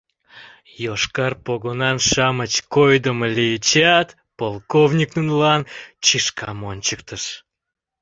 Йошкар погонан-шамыч койдымо лийычат, «полковник» нунылан чишкам ончыктыш: